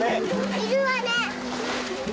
いるわね。